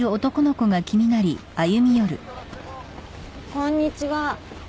こんにちは。